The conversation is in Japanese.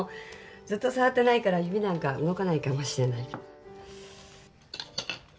ずっと触ってないから指なんか動かないかもしれない。